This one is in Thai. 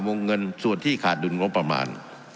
วงเงินส่วนที่ขาดดุลงบประมาณ